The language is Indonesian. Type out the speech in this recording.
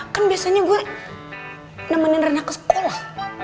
kan biasanya gue nemenin renang ke sekolah